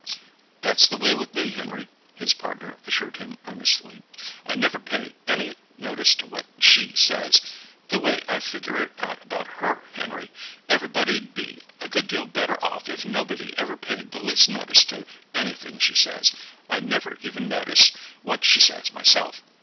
"That's the way with me, Henry," his partner assured him earnestly. "I never pay any notice to what she says. The way I figure it out about her, Henry, everybody'd be a good deal better off if nobody ever paid the least notice to anything she says. I never even notice what she says, myself."